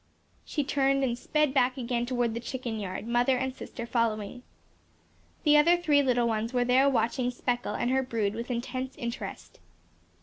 She turned and sped back again toward the chicken yard, mother and sister following. The other three little ones were there watching "Speckle" and her brood with intense interest.